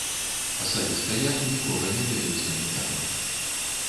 Асабіста я нікога не ведаю з кандыдатаў.